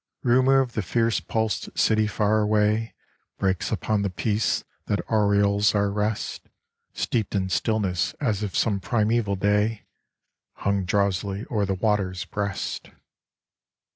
Rumour of the fierce pulsed city far away Breaks upon the peace that aureoles our rest, Steeped in stillness as if some primeval day Hung drowsily o'er the water's breast.